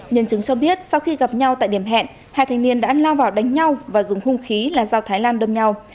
nhân chứng cho biết sau khi gặp nhau tại điểm hẹn hai thanh niên đã lao vào đánh nhau và dùng hung khí là dao thái lan đâm nhau